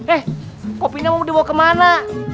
eh kopinya mau dibawa kemana